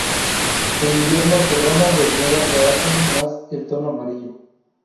En invierno sus ramas desnudas realzan más el tono amarillo.